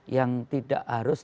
yang tidak harus